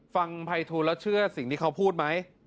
ฟังภัยทูลแล้วเชื่อสิ่งที่เขาพูดไหม